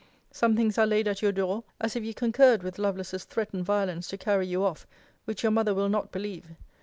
Some things are laid at your door, as if you concurred with Lovelace's threatened violence to carry you off, which your mother will not believe.